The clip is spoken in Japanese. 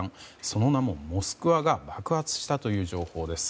その名も「モスクワ」が爆発したという情報です。